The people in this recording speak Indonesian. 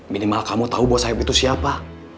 minimal kamu tau bos sayap itu siapa